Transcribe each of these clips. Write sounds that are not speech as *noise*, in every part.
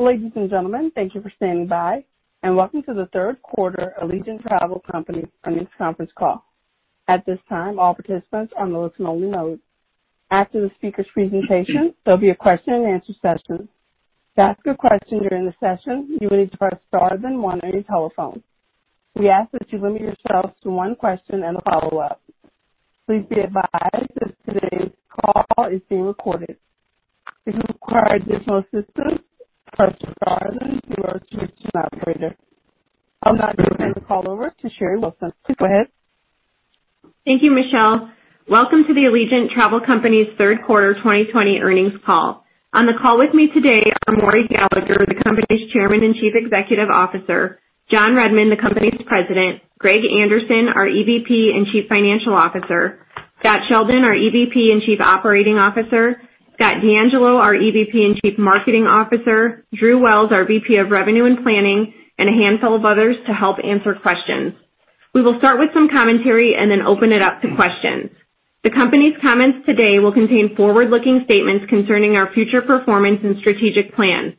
Ladies and gentlemen, thank you for standing by, and welcome to the third quarter Allegiant Travel Company earnings conference call. At this time, all participants are in a listen only mode. After the speakers presentation, there will be a question and answer session. To ask a question on the session, you may press star then one on your telephone. We ask that you limit yourself to one question and a follow up. Please be advised that this call is being recorded. If you require additional assistance, please press star. *audio distortion* I would now like to turn the call over to Sherry Wilson. Please go ahead. Thank you, Michelle. Welcome to the Allegiant Travel Company's third quarter 2020 earnings call. On the call with me today are Maury Gallagher, the company's chairman and chief executive officer, John Redmond, the company's president, Greg Anderson, our EVP and Chief Financial Officer, Scott Sheldon, our EVP and Chief Operating Officer, Scott DeAngelo, our EVP and Chief Marketing Officer, Drew Wells, our VP of Revenue and Planning, and a handful of others to help answer questions. We will start with some commentary and then open it up to questions. The company's comments today will contain forward-looking statements concerning our future performance and strategic plans.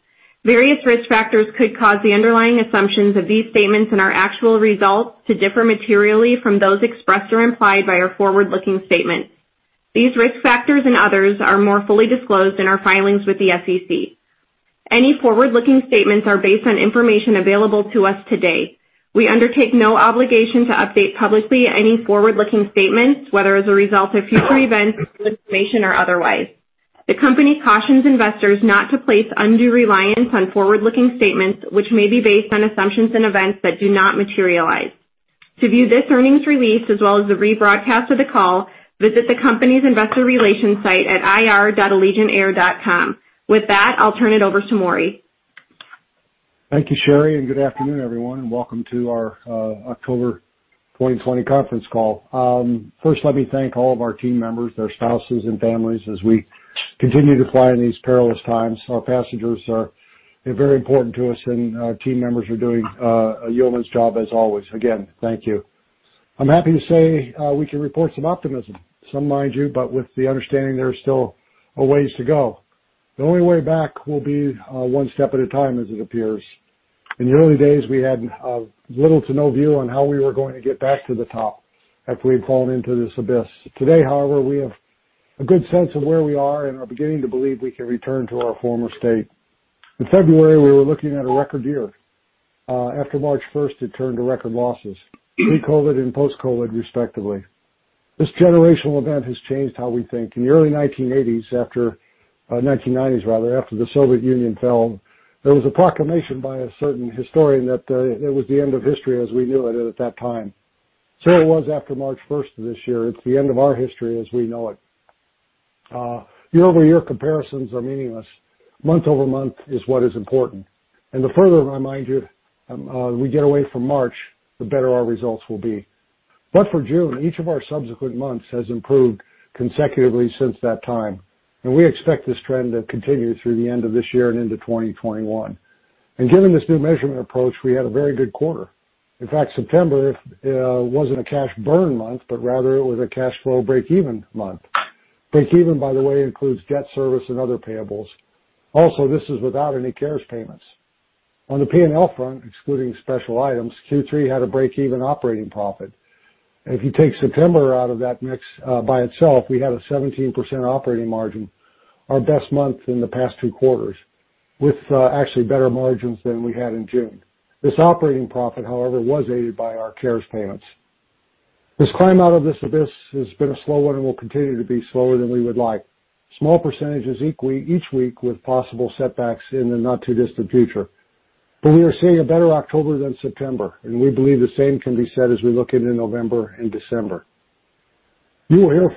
Various risk factors could cause the underlying assumptions of these statements and our actual results to differ materially from those expressed or implied by our forward-looking statements. These risk factors and others are more fully disclosed in our filings with the SEC. Any forward-looking statements are based on information available to us today. We undertake no obligation to update publicly any forward-looking statements, whether as a result of future events, new information, or otherwise. The company cautions investors not to place undue reliance on forward-looking statements, which may be based on assumptions and events that do not materialize. To view this earnings release as well as the rebroadcast of the call, visit the company's investor relations site at ir.allegiantair.com. With that, I'll turn it over to Maury. Thank you, Sherry, and good afternoon, everyone, and welcome to our October 2020 conference call. First, let me thank all of our team members, their spouses, and families as we continue to fly in these perilous times. Our passengers are very important to us, and our team members are doing a yeoman's job as always. Again, thank you. I'm happy to say we can report some optimism. Some, mind you, but with the understanding there's still a ways to go. The only way back will be one step at a time, as it appears. In the early days, we had little to no view on how we were going to get back to the top after we'd fallen into this abyss. Today, however, we have a good sense of where we are and are beginning to believe we can return to our former state. In February, we were looking at a record year. After March 1st, it turned to record losses, pre-COVID and post-COVID, respectively. This generational event has changed how we think. In the early 1980s, 1990s rather, after the Soviet Union fell, there was a proclamation by a certain historian that it was the end of history as we knew it at that time. It was after March 1st of this year, it's the end of our history as we know it. Year-over-year comparisons are meaningless. Month-over-month is what is important. The further, mind you, we get away from March, the better our results will be. For June, each of our subsequent months has improved consecutively since that time, and we expect this trend to continue through the end of this year and into 2021. Given this new measurement approach, we had a very good quarter. In fact, September wasn't a cash burn month, but rather it was a cash flow breakeven month. Breakeven, by the way, includes debt service and other payables. This is without any CARES payments. On the P&L front, excluding special items, Q3 had a breakeven operating profit. If you take September out of that mix by itself, we had a 17% operating margin, our best month in the past two quarters, with actually better margins than we had in June. This operating profit, however, was aided by our CARES payments. This climb out of this abyss has been a slow one and will continue to be slower than we would like. Small percentages each week with possible setbacks in the not-too-distant future. We are seeing a better October than September, and we believe the same can be said as we look into November and December. You will hear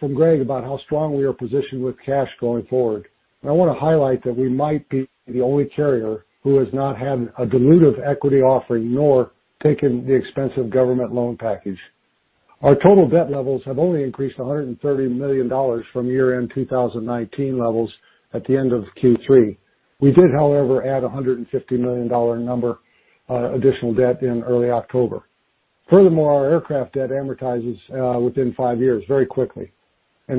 from Greg about how strong we are positioned with cash going forward. I want to highlight that we might be the only carrier who has not had a dilutive equity offering nor taken the expensive government loan package. Our total debt levels have only increased $130 million from year-end 2019 levels at the end of Q3. We did, however, add $150 million additional debt in early October. Furthermore, our aircraft debt amortizes within five years, very quickly. On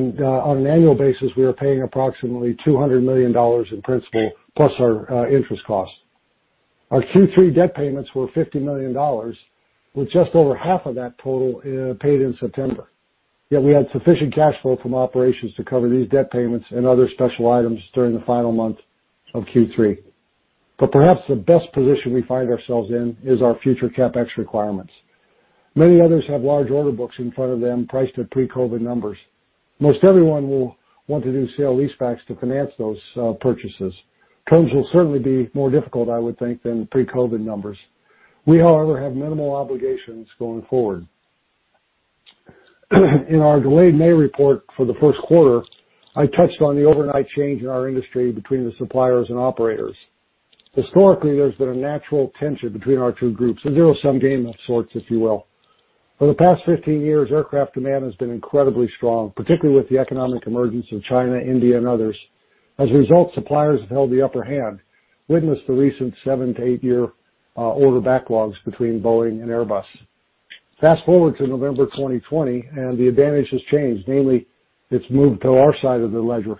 an annual basis, we are paying approximately $200 million in principal, plus our interest costs. Our Q3 debt payments were $50 million, with just over half of that total paid in September. Yet we had sufficient cash flow from operations to cover these debt payments and other special items during the final month of Q3. Perhaps the best position we find ourselves in is our future CapEx requirements. Many others have large order books in front of them priced at pre-COVID numbers. Most everyone will want to do sale-leasebacks to finance those purchases. Terms will certainly be more difficult, I would think, than the pre-COVID numbers. We, however, have minimal obligations going forward. In our delayed May report for the first quarter, I touched on the overnight change in our industry between the suppliers and operators. Historically, there's been a natural tension between our two groups, and there was some game of sorts, if you will. For the past 15 years, aircraft demand has been incredibly strong, particularly with the economic emergence of China, India, and others. Suppliers have held the upper hand. Witness the recent 7-8-year order backlogs between Boeing and Airbus. Fast-forward to November 2020, the advantage has changed. Namely, it's moved to our side of the ledger.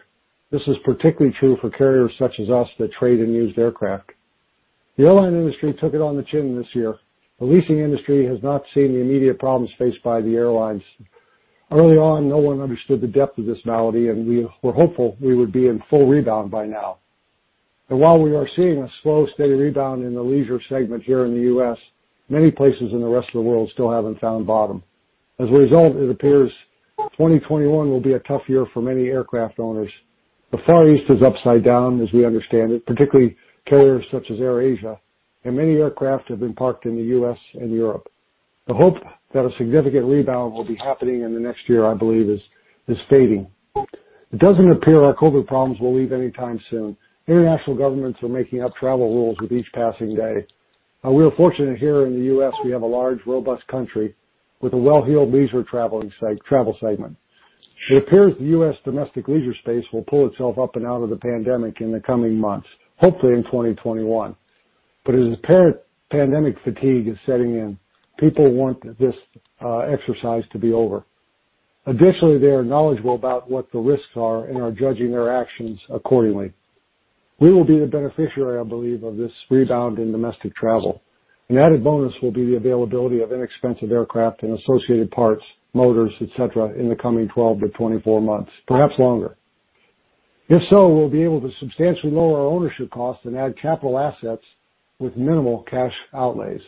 This is particularly true for carriers such as us that trade in used aircraft. The airline industry took it on the chin this year. The leasing industry has not seen the immediate problems faced by the airlines. Early on, no one understood the depth of this malady, and we were hopeful we would be in full rebound by now. While we are seeing a slow, steady rebound in the leisure segment here in the U.S., many places in the rest of the world still haven't found bottom. As a result, it appears 2021 will be a tough year for many aircraft owners. The Far East is upside down as we understand it, particularly carriers such as AirAsia, and many aircraft have been parked in the U.S. and Europe. The hope that a significant rebound will be happening in the next year, I believe, is fading. It doesn't appear our COVID problems will leave anytime soon. International governments are making up travel rules with each passing day. We are fortunate here in the U.S., we have a large, robust country with a well-heeled leisure travel segment. It appears the U.S. domestic leisure space will pull itself up and out of the pandemic in the coming months, hopefully in 2021. As apparent pandemic fatigue is setting in, people want this exercise to be over. Additionally, they are knowledgeable about what the risks are and are judging their actions accordingly. We will be the beneficiary, I believe, of this rebound in domestic travel. An added bonus will be the availability of inexpensive aircraft and associated parts, motors, et cetera, in the coming 12-24 months, perhaps longer. If so, we'll be able to substantially lower our ownership costs and add capital assets with minimal cash outlays.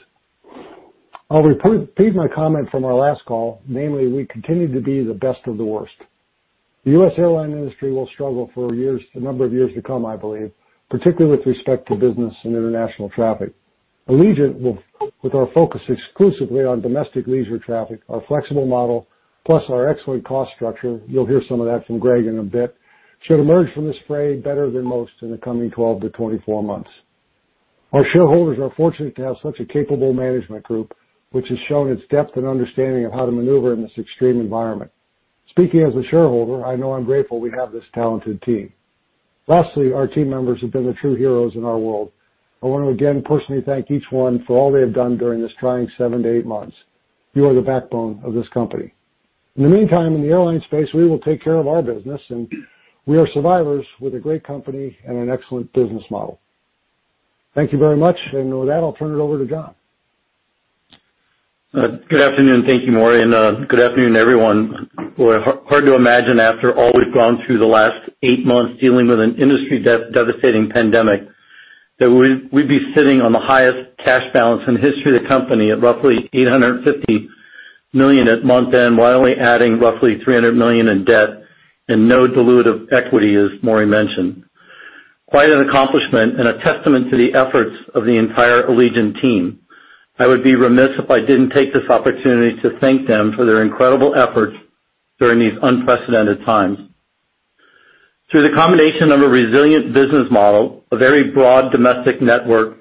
I'll repeat my comment from our last call. Namely, we continue to be the best of the worst. The U.S. airline industry will struggle for a number of years to come, I believe, particularly with respect to business and international traffic. Allegiant, with our focus exclusively on domestic leisure traffic, our flexible model, plus our excellent cost structure, you'll hear some of that from Greg in a bit, should emerge from this fray better than most in the coming 12-24 months. Our shareholders are fortunate to have such a capable management group, which has shown its depth and understanding of how to maneuver in this extreme environment. Speaking as a shareholder, I know I'm grateful we have this talented team. Lastly, our team members have been the true heroes in our world. I want to again personally thank each one for all they have done during this trying seven to eight months. You are the backbone of this company. In the meantime, in the airline space, we will take care of our business, and we are survivors with a great company and an excellent business model. Thank you very much. With that, I'll turn it over to John. Good afternoon. Thank you, Maury, and good afternoon, everyone. Hard to imagine after all we've gone through the last eight months dealing with an industry-devastating pandemic, that we'd be sitting on the highest cash balance in the history of the company at roughly $850 million at month-end, while only adding roughly $300 million in debt and no dilutive equity, as Maury mentioned. Quite an accomplishment and a testament to the efforts of the entire Allegiant team. I would be remiss if I didn't take this opportunity to thank them for their incredible efforts during these unprecedented times. Through the combination of a resilient business model, a very broad domestic network,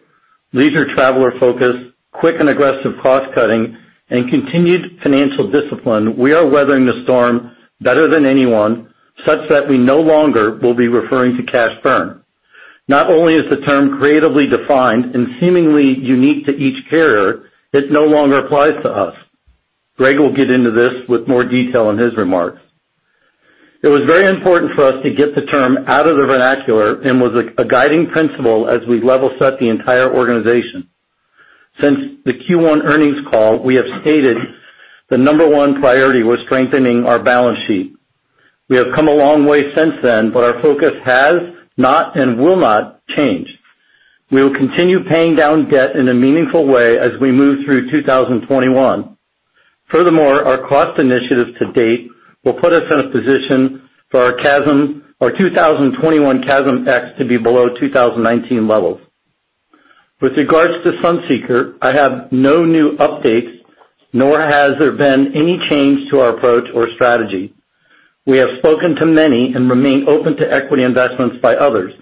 leisure traveler focus, quick and aggressive cost-cutting, and continued financial discipline, we are weathering the storm better than anyone, such that we no longer will be referring to cash burn. Not only is the term creatively defined and seemingly unique to each carrier, it no longer applies to us. Greg will get into this with more detail in his remarks. It was very important for us to get the term out of the vernacular and was a guiding principle as we level set the entire organization. Since the Q1 earnings call, we have stated the number one priority was strengthening our balance sheet. We have come a long way since then, our focus has not and will not change. We will continue paying down debt in a meaningful way as we move through 2021. Furthermore, our cost initiatives to date will put us in a position for our 2021 CASM ex to be below 2019 levels. With regards to Sunseeker, I have no new updates, nor has there been any change to our approach or strategy. We have spoken to many and remain open to equity investments by others.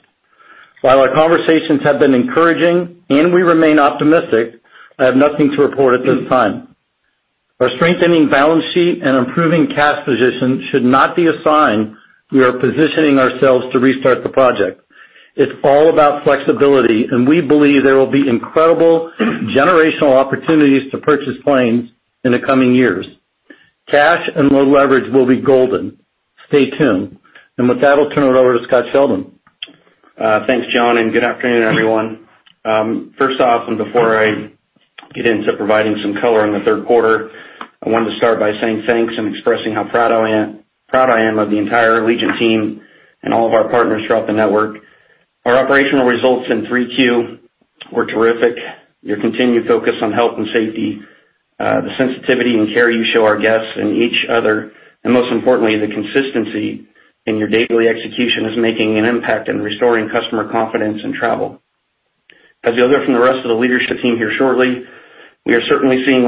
While our conversations have been encouraging and we remain optimistic, I have nothing to report at this time. Our strengthening balance sheet and improving cash position should not be a sign we are positioning ourselves to restart the project. It's all about flexibility, and we believe there will be incredible generational opportunities to purchase planes in the coming years. Cash and low leverage will be golden. Stay tuned. With that, I'll turn it over to Scott Sheldon. Thanks, John, and good afternoon, everyone. First off, and before I get into providing some color on the third quarter, I wanted to start by saying thanks and expressing how proud I am of the entire Allegiant team and all of our partners throughout the network. Our operational results in 3Q were terrific. Your continued focus on health and safety, the sensitivity and care you show our guests and each other, and most importantly, the consistency in your daily execution is making an impact in restoring customer confidence in travel. As you'll hear from the rest of the leadership team here shortly, we are certainly seeing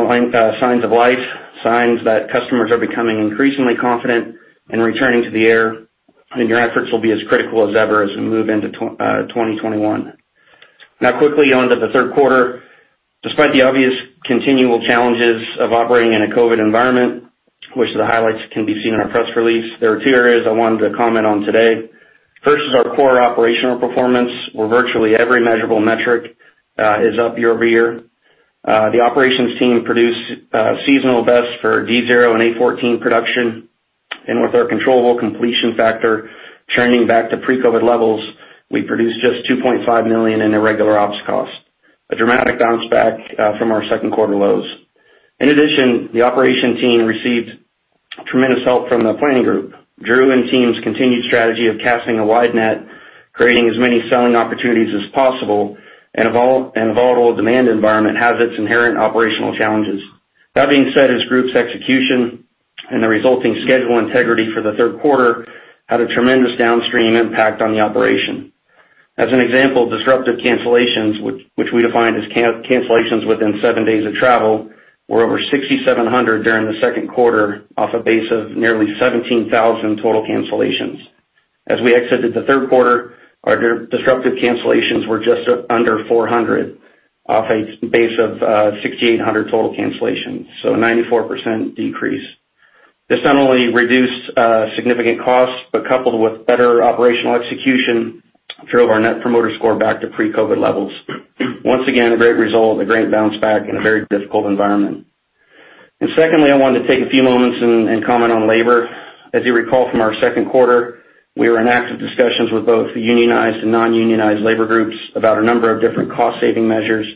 signs of life, signs that customers are becoming increasingly confident in returning to the air, and your efforts will be as critical as ever as we move into 2021. Now, quickly on to the third quarter. Despite the obvious continual challenges of operating in a COVID environment, which the highlights can be seen in our press release, there are two areas I wanted to comment on today. First is our core operational performance, where virtually every measurable metric is up year-over-year. The operations team produced seasonal bests for D0 and A14 production. With our controllable completion factor churning back to pre-COVID levels, we produced just $2.5 million in irregular ops costs, a dramatic bounce back from our second quarter lows. In addition, the operation team received tremendous help from the planning group. Drew and team's continued strategy of casting a wide net, creating as many selling opportunities as possible in a volatile demand environment, has its inherent operational challenges. That being said, his group's execution and the resulting schedule integrity for the third quarter had a tremendous downstream impact on the operation. As an example, disruptive cancellations, which we define as cancellations within seven days of travel, were over 6,700 during the second quarter off a base of nearly 17,000 total cancellations. As we exited the third quarter, our disruptive cancellations were just under 400 off a base of 6,800 total cancellations. A 94% decrease. This not only reduced significant costs, but coupled with better operational execution, drove our net promoter score back to pre-COVID levels. Once again, a great result, a great bounce back in a very difficult environment. Secondly, I wanted to take a few moments and comment on labor. As you recall from our second quarter, we were in active discussions with both unionized and non-unionized labor groups about a number of different cost-saving measures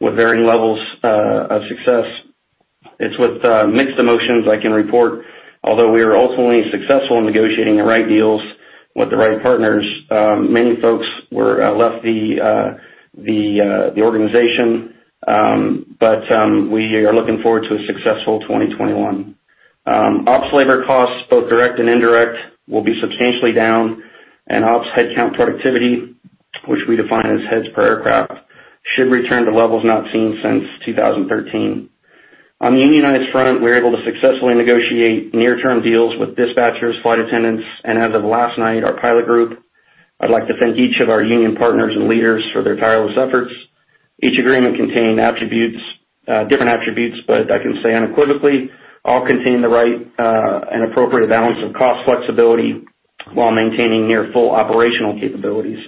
with varying levels of success. It's with mixed emotions I can report, although we are ultimately successful in negotiating the right deals with the right partners, many folks left the organization. We are looking forward to a successful 2021. Ops labor costs, both direct and indirect, will be substantially down, and ops headcount productivity, which we define as heads per aircraft, should return to levels not seen since 2013. On the unionized front, we were able to successfully negotiate near-term deals with dispatchers, flight attendants, and as of last night, our pilot group. I'd like to thank each of our union partners and leaders for their tireless efforts. Each agreement contained different attributes, but I can say unequivocally, all contain the right and appropriate balance of cost flexibility while maintaining near full operational capabilities.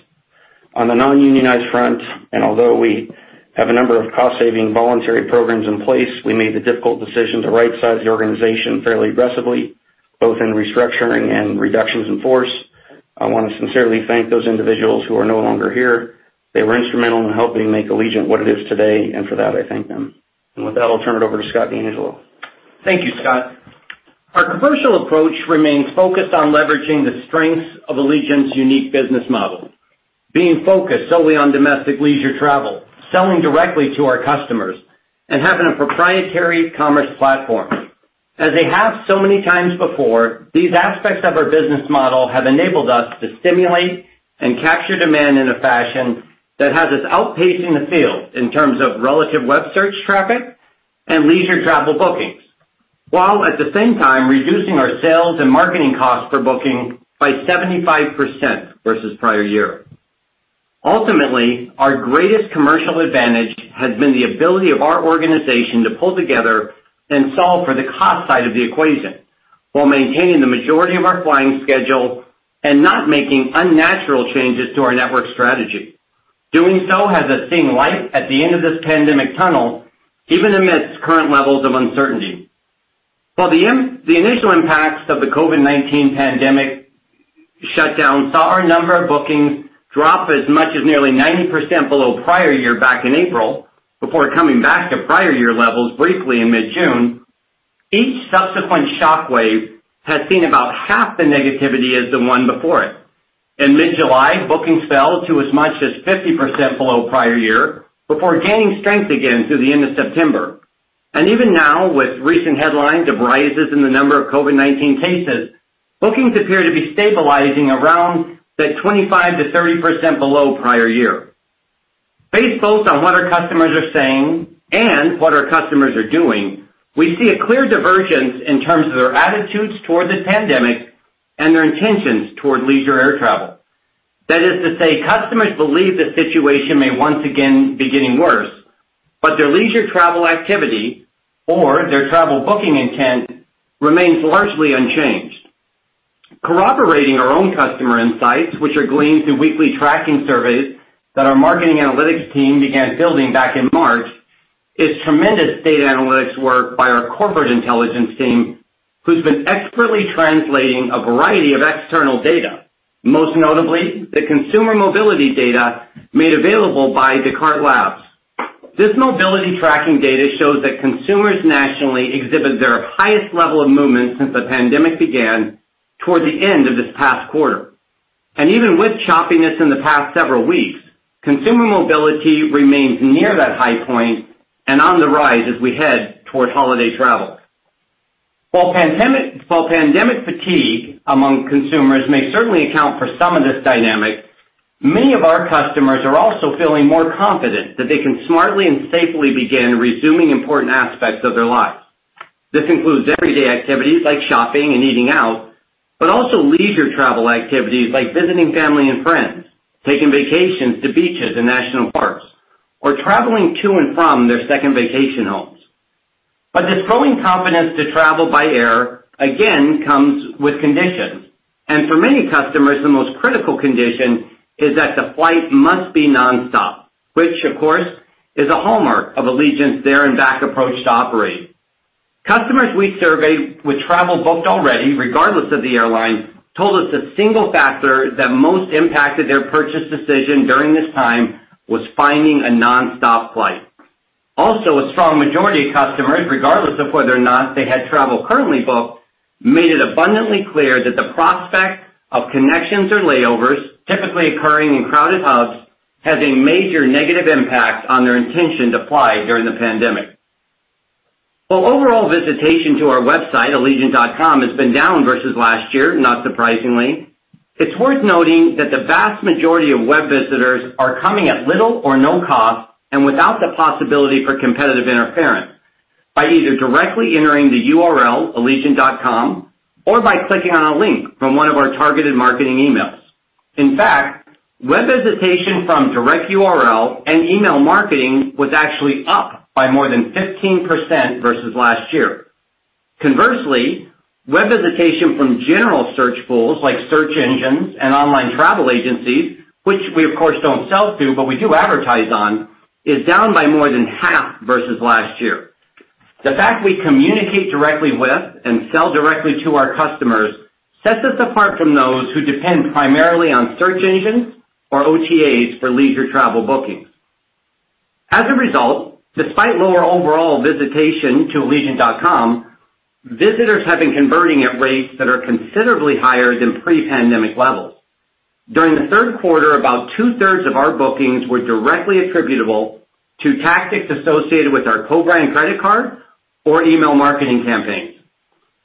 On the non-unionized front, and although we have a number of cost-saving voluntary programs in place, we made the difficult decision to rightsize the organization fairly aggressively, both in restructuring and reductions in force. I want to sincerely thank those individuals who are no longer here. They were instrumental in helping make Allegiant what it is today, and for that, I thank them. With that, I'll turn it over to Scott DeAngelo. Thank you, Scott. Our commercial approach remains focused on leveraging the strengths of Allegiant's unique business model, being focused solely on domestic leisure travel, selling directly to our customers, and having a proprietary commerce platform. As they have so many times before, these aspects of our business model have enabled us to stimulate and capture demand in a fashion that has us outpacing the field in terms of relative web search traffic and leisure travel bookings, while at the same time reducing our sales and marketing costs per booking by 75% versus prior year. Ultimately, our greatest commercial advantage has been the ability of our organization to pull together and solve for the cost side of the equation while maintaining the majority of our flying schedule and not making unnatural changes to our network strategy. Doing so has us seeing light at the end of this pandemic tunnel, even amidst current levels of uncertainty. While the initial impacts of the COVID-19 pandemic shutdown saw our number of bookings drop as much as nearly 90% below prior year back in April, before coming back to prior year levels briefly in mid-June, each subsequent shockwave has seen about half the negativity as the one before it. In mid-July, bookings fell to as much as 50% below prior year, before gaining strength again through the end of September. Even now, with recent headlines of rises in the number of COVID-19 cases, bookings appear to be stabilizing around that 25%-30% below prior year. Based both on what our customers are saying and what our customers are doing, we see a clear divergence in terms of their attitudes towards the pandemic and their intentions toward leisure air travel. That is to say, customers believe the situation may once again be getting worse, but their leisure travel activity or their travel booking intent remains largely unchanged. Corroborating our own customer insights, which are gleaned through weekly tracking surveys that our marketing analytics team began building back in March, is tremendous data analytics work by our corporate intelligence team who's been expertly translating a variety of external data, most notably the consumer mobility data made available by Descartes Labs. This mobility tracking data shows that consumers nationally exhibit their highest level of movement since the pandemic began towards the end of this past quarter. Even with choppiness in the past several weeks, consumer mobility remains near that high point and on the rise as we head toward holiday travel. While pandemic fatigue among consumers may certainly account for some of this dynamic, many of our customers are also feeling more confident that they can smartly and safely begin resuming important aspects of their lives. This includes everyday activities like shopping and eating out, but also leisure travel activities like visiting family and friends, taking vacations to beaches and national parks, or traveling to and from their second vacation homes. This growing confidence to travel by air again comes with conditions. For many customers, the most critical condition is that the flight must be nonstop, which, of course, is a hallmark of Allegiant's there-and-back approach to operating. Customers we surveyed with travel booked already, regardless of the airline, told us the single factor that most impacted their purchase decision during this time was finding a nonstop flight. A strong majority of customers, regardless of whether or not they had travel currently booked, made it abundantly clear that the prospect of connections or layovers, typically occurring in crowded hubs, has a major negative impact on their intention to fly during the pandemic. While overall visitation to our website, allegiant.com, has been down versus last year, not surprisingly, it's worth noting that the vast majority of web visitors are coming at little or no cost and without the possibility for competitive interference, by either directly entering the URL, allegiant.com, or by clicking on a link from one of our targeted marketing emails. In fact, web visitation from direct URL and email marketing was actually up by more than 15% versus last year. Conversely, web visitation from general search pools like search engines and online travel agencies, which we of course, don't sell to, but we do advertise on, is down by more than half versus last year. The fact we communicate directly with and sell directly to our customers sets us apart from those who depend primarily on search engines or OTAs for leisure travel bookings. As a result, despite lower overall visitation to allegiant.com, visitors have been converting at rates that are considerably higher than pre-pandemic levels. During the third quarter, about two-thirds of our bookings were directly attributable to tactics associated with our co-brand credit card or email marketing campaigns.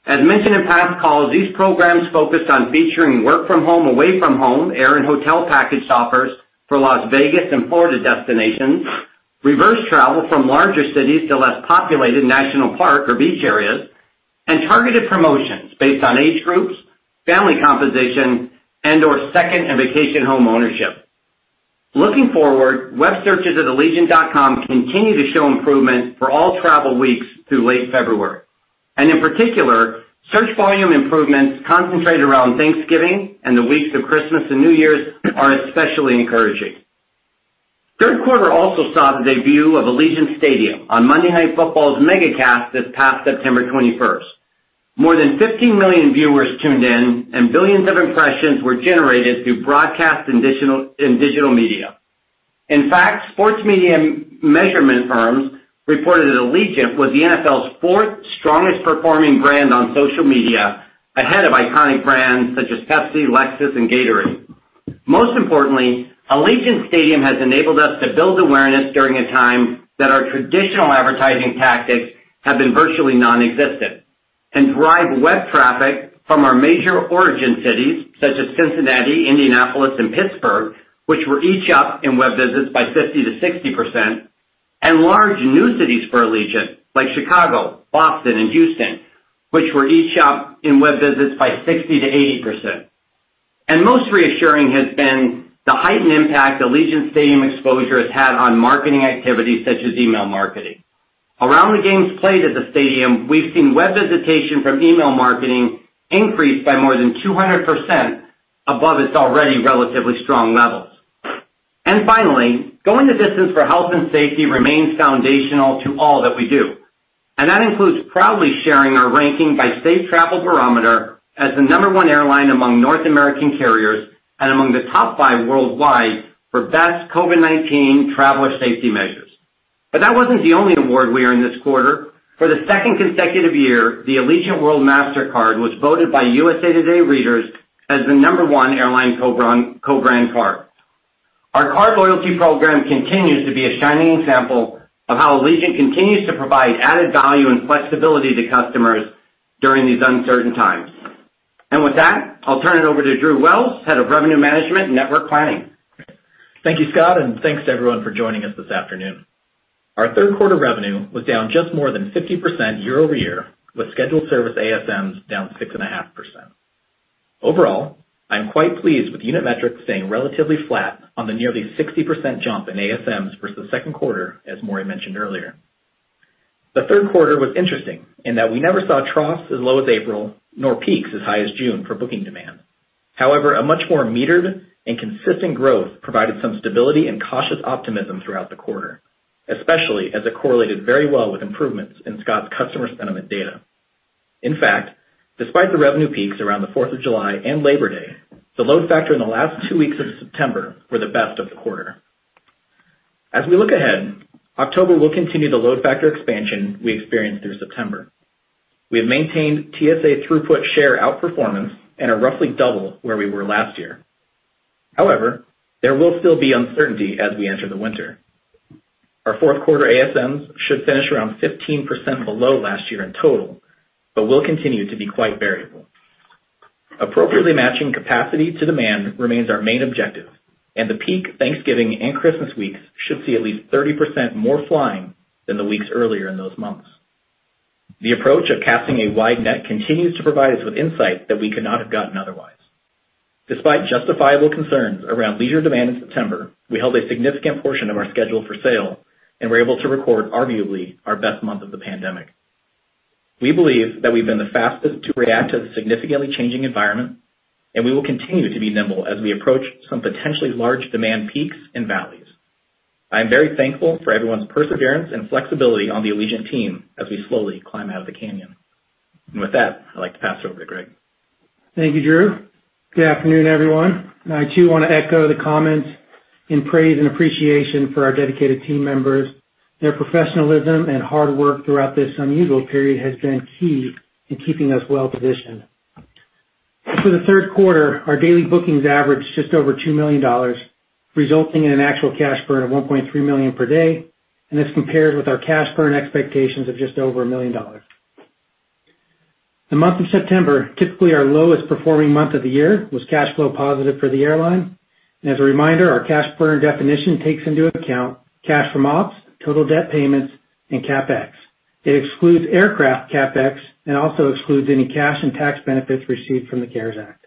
As mentioned in past calls, these programs focused on featuring work from home, away from home air and hotel package offers for Las Vegas and Florida destinations, reverse travel from larger cities to less populated national park or beach areas, and targeted promotions based on age groups, family composition, and/or second and vacation home ownership. Looking forward, web searches at allegiant.com continue to show improvement for all travel weeks through late February. In particular, search volume improvements concentrated around Thanksgiving and the weeks of Christmas and New Year's are especially encouraging. Third quarter also saw the debut of Allegiant Stadium on Monday Night Football's MegaCast this past September 21st. More than 15 million viewers tuned in and billions of impressions were generated through broadcast and digital media. In fact, sports media measurement firms reported that Allegiant was the NFL's fourth strongest performing brand on social media, ahead of iconic brands such as Pepsi, Lexus, and Gatorade. Most importantly, Allegiant Stadium has enabled us to build awareness during a time that our traditional advertising tactics have been virtually nonexistent, and drive web traffic from our major origin cities such as Cincinnati, Indianapolis, and Pittsburgh, which were each up in web visits by 50%-60%, and large new cities for Allegiant, like Chicago, Boston, and Houston, which were each up in web visits by 60%-80%. Most reassuring has been the heightened impact Allegiant Stadium exposure has had on marketing activities such as email marketing. Around the games played at the stadium, we've seen web visitation from email marketing increase by more than 200% above its already relatively strong levels. Finally, going the distance for health and safety remains foundational to all that we do, and that includes proudly sharing our ranking by Safe Travel Barometer as the number one airline among North American carriers and among the top five worldwide for best COVID-19 traveler safety measures. That wasn't the only award we earned this quarter. For the second consecutive year, the Allegiant World Mastercard was voted by USA TODAY readers as the number 1 airline co-brand card. Our card loyalty program continues to be a shining example of how Allegiant continues to provide added value and flexibility to customers during these uncertain times. With that, I'll turn it over to Drew Wells, Head of Revenue Management and Network Planning. Thank you, Scott, and thanks to everyone for joining us this afternoon. Our third quarter revenue was down just more than 50% year-over-year, with scheduled service ASMs down 6.5%. Overall, I am quite pleased with unit metrics staying relatively flat on the nearly 60% jump in ASMs versus the second quarter, as Maury mentioned earlier. The third quarter was interesting in that we never saw troughs as low as April nor peaks as high as June for booking demand. A much more metered and consistent growth provided some stability and cautious optimism throughout the quarter, especially as it correlated very well with improvements in Scott's customer sentiment data. In fact, despite the revenue peaks around the Fourth of July and Labor Day, the load factor in the last two weeks of September were the best of the quarter. As we look ahead, October will continue the load factor expansion we experienced through September. We have maintained TSA throughput share outperformance and are roughly double where we were last year. However, there will still be uncertainty as we enter the winter. Our fourth quarter ASMs should finish around 15% below last year in total, but will continue to be quite variable. Appropriately matching capacity to demand remains our main objective, and the peak Thanksgiving and Christmas weeks should see at least 30% more flying than the weeks earlier in those months. The approach of casting a wide net continues to provide us with insight that we could not have gotten otherwise. Despite justifiable concerns around leisure demand in September, we held a significant portion of our schedule for sale and were able to record arguably our best month of the pandemic. We believe that we've been the fastest to react to the significantly changing environment, and we will continue to be nimble as we approach some potentially large demand peaks and valleys. I am very thankful for everyone's perseverance and flexibility on the Allegiant team as we slowly climb out of the canyon. With that, I'd like to pass it over to Greg. Thank you, Drew. Good afternoon, everyone. I, too, want to echo the comments in praise and appreciation for our dedicated team members. Their professionalism and hard work throughout this unusual period has been key in keeping us well-positioned. For the third quarter, our daily bookings averaged just over $2 million, resulting in an actual cash burn of $1.3 million per day. This compares with our cash burn expectations of just over $1 million. The month of September, typically our lowest performing month of the year, was cash flow positive for the airline. As a reminder, our cash burn definition takes into account cash from ops, total debt payments, and CapEx. It excludes aircraft CapEx and also excludes any cash and tax benefits received from the CARES Act.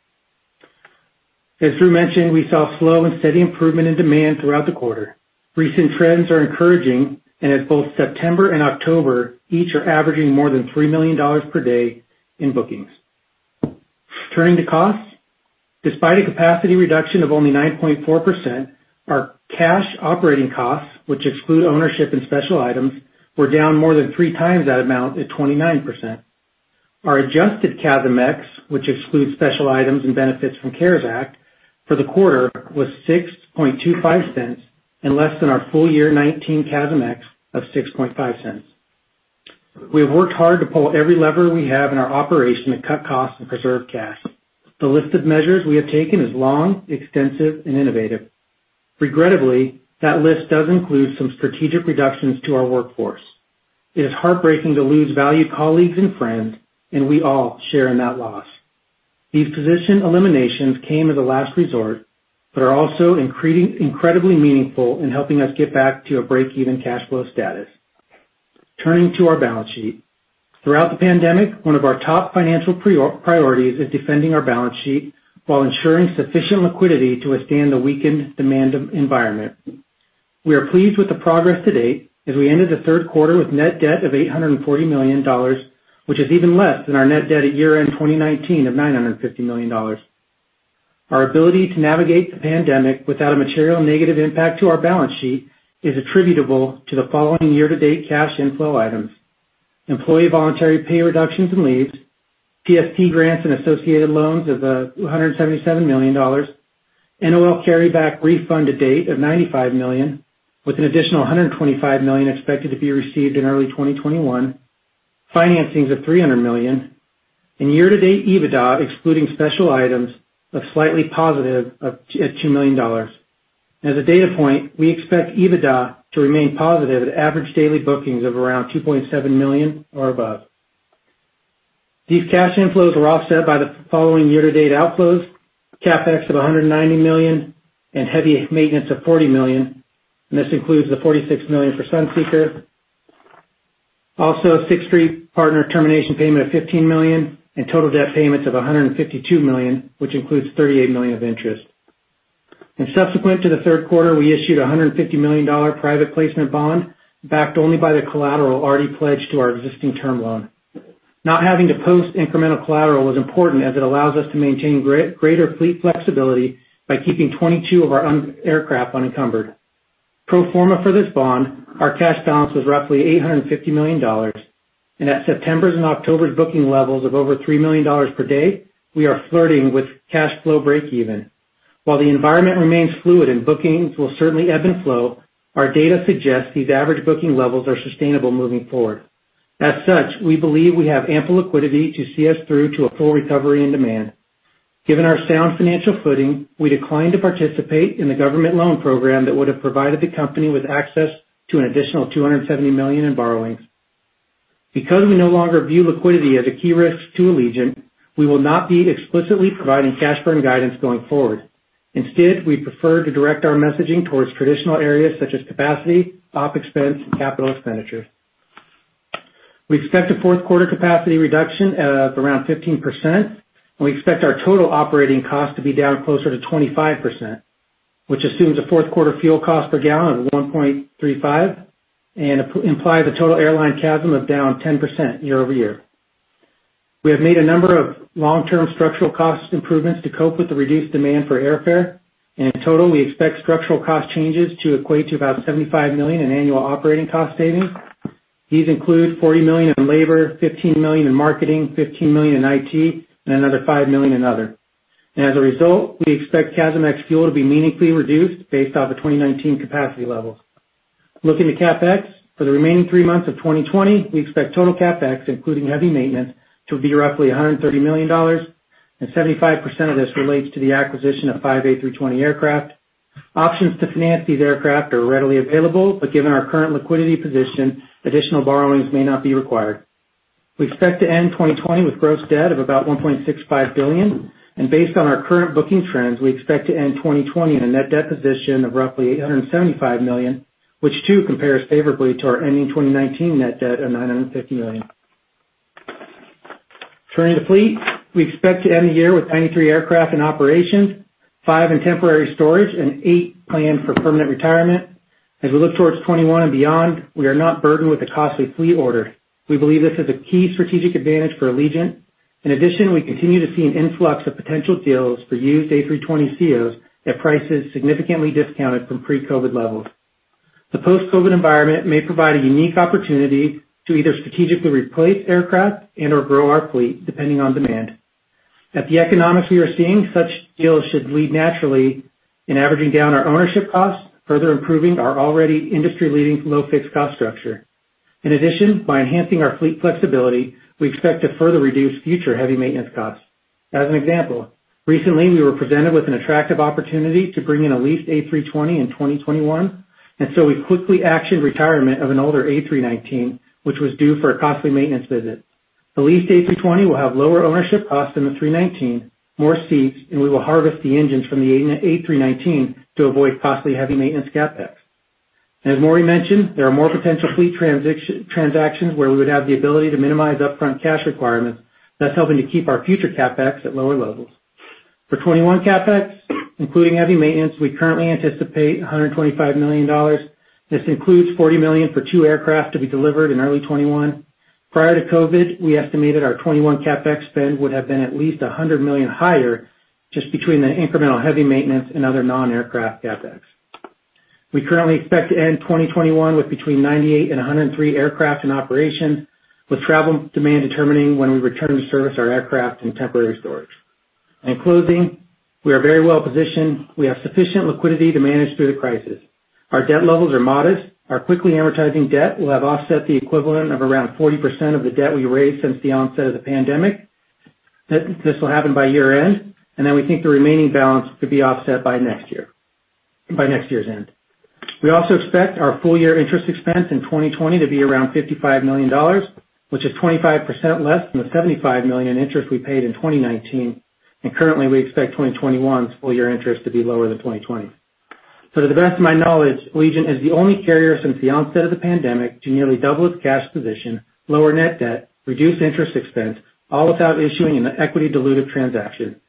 As Drew mentioned, we saw slow and steady improvement in demand throughout the quarter. Recent trends are encouraging and as both September and October each are averaging more than $3 million per day in bookings. Turning to costs, despite a capacity reduction of only 9.4%, our cash operating costs, which exclude ownership and special items, were down more than three times that amount at 29%. Our adjusted CASM ex, which excludes special items and benefits from CARES Act for the quarter, was $0.0625 and less than our full year 2019 CASM ex of $0.065. We have worked hard to pull every lever we have in our operation to cut costs and preserve cash. The list of measures we have taken is long, extensive and innovative. Regrettably, that list does include some strategic reductions to our workforce. It is heartbreaking to lose valued colleagues and friends, and we all share in that loss. These position eliminations came as a last resort, but are also incredibly meaningful in helping us get back to a break-even cash flow status. Turning to our balance sheet. Throughout the pandemic, one of our top financial priorities is defending our balance sheet while ensuring sufficient liquidity to withstand the weakened demand environment. We are pleased with the progress to date as we ended the third quarter with net debt of $840 million, which is even less than our net debt at year-end 2019 of $950 million. Our ability to navigate the pandemic without a material negative impact to our balance sheet is attributable to the following year-to-date cash inflow items: employee voluntary pay reductions and leaves, PSP grants and associated loans of $177 million, NOL carryback refund to date of $195 million, with an additional $125 million expected to be received in early 2021, financings of $300 million, and year-to-date EBITDA, excluding special items, of slightly positive at $2 million. As a data point, we expect EBITDA to remain positive at average daily bookings of around $2.7 million or above. These cash inflows were offset by the following year-to-date outflows: CapEx of $190 million and heavy maintenance of $40 million, and this includes the $46 million for Sunseeker. A Sixth Street termination payment of $15 million and total debt payments of $152 million, which includes $38 million of interest. Subsequent to the third quarter, we issued $150 million private placement bond backed only by the collateral already pledged to our existing term loan. Not having to post incremental collateral was important as it allows us to maintain greater fleet flexibility by keeping 22 of our aircraft unencumbered. Pro forma for this bond, our cash balance was roughly $850 million, and at September's and October's booking levels of over $3 million per day, we are flirting with cash flow break even. While the environment remains fluid and bookings will certainly ebb and flow, our data suggests these average booking levels are sustainable moving forward. As such, we believe we have ample liquidity to see us through to a full recovery and demand. Given our sound financial footing, we declined to participate in the government loan program that would have provided the company with access to an additional $270 million in borrowings. Because we no longer view liquidity as a key risk to Allegiant, we will not be explicitly providing cash burn guidance going forward. Instead, we prefer to direct our messaging towards traditional areas such as capacity, op expense, and capital expenditure. We expect a fourth quarter capacity reduction of around 15%, and we expect our total operating cost to be down closer to 25%, which assumes a fourth quarter fuel cost per gallon of $1.35 and imply the total airline CASM of down 10% year-over-year. We have made a number of long-term structural cost improvements to cope with the reduced demand for airfare. In total, we expect structural cost changes to equate to about $75 million in annual operating cost savings. These include $40 million in labor, $15 million in marketing, $15 million in IT, and another $5 million in other. As a result, we expect CASM ex fuel to be meaningfully reduced based off of 2019 capacity levels. Looking to CapEx, for the remaining three months of 2020, we expect total CapEx, including heavy maintenance, to be roughly $130 million. 75% of this relates to the acquisition of five A320 aircraft. Options to finance these aircraft are readily available. Given our current liquidity position, additional borrowings may not be required. We expect to end 2020 with gross debt of about $1.65 billion, and based on our current booking trends, we expect to end 2020 in a net debt position of roughly $875 million, which too compares favorably to our ending 2019 net debt of $950 million. Turning to fleet, we expect to end the year with 93 aircraft in operation, five in temporary storage, and eight planned for permanent retirement. As we look towards 2021 and beyond, we are not burdened with a costly fleet order. We believe this is a key strategic advantage for Allegiant. In addition, we continue to see an influx of potential deals for used A320ceos at prices significantly discounted from pre-COVID levels. The post-COVID environment may provide a unique opportunity to either strategically replace aircraft and/or grow our fleet, depending on demand. At the economics we are seeing, such deals should lead naturally in averaging down our ownership costs, further improving our already industry-leading low fixed cost structure. In addition, by enhancing our fleet flexibility, we expect to further reduce future heavy maintenance costs. As an example, recently, we were presented with an attractive opportunity to bring in a leased A320 in 2021, we quickly actioned retirement of an older A319, which was due for a costly maintenance visit. The leased A320 will have lower ownership costs than the 319, more seats, and we will harvest the engines from the A319 to avoid costly heavy maintenance CapEx. As Maury mentioned, there are more potential fleet transactions where we would have the ability to minimize upfront cash requirements. That's helping to keep our future CapEx at lower levels. For 2021 CapEx, including heavy maintenance, we currently anticipate $125 million. This includes $40 million for two aircraft to be delivered in early 2021. Prior to COVID, we estimated our 2021 CapEx spend would have been at least $100 million higher just between the incremental heavy maintenance and other non-aircraft CapEx. We currently expect to end 2021 with between 98 and 103 aircraft in operation, with travel demand determining when we return to service our aircraft in temporary storage. In closing, we are very well-positioned. We have sufficient liquidity to manage through the crisis. Our debt levels are modest. Our quickly amortizing debt will have offset the equivalent of around 40% of the debt we raised since the onset of the pandemic. This will happen by year-end, then we think the remaining balance could be offset by next year's end. We also expect our full-year interest expense in 2020 to be around $55 million, which is 25% less than the $75 million interest we paid in 2019. Currently, we expect 2021's full-year interest to be lower than 2020. To the best of my knowledge, Allegiant is the only carrier since the onset of the pandemic to nearly double its cash position, lower net debt, reduce interest expense, all without issuing an equity dilutive transaction.